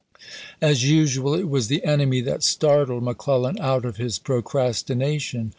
As usual, it was the enemy that startled Mc Clellan out of his procrastination.